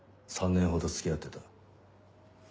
３年ほど付き合ってた。